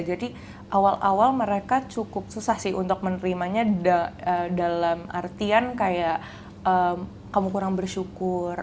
jadi awal awal mereka cukup susah sih untuk menerimanya dalam artian kayak kamu kurang bersyukur